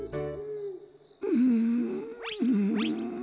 うんうん。